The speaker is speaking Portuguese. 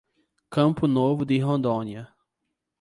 Campo Novo de Rondônia